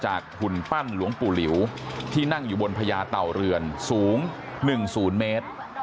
จากขุนปั้นหลวงปู่เหลวที่นั่งอยู่บนพญาตัวเลือนสูงหนึ่งศูนย์เมตร